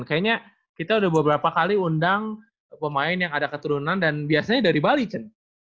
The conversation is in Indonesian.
kayaknya kita udah beberapa kali undang pemain yang ada keturunan dan biasanya dari bali chen